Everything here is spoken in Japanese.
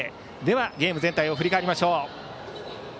ゲーム全体を振り返りましょう。